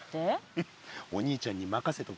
フッお兄ちゃんにまかせとけって。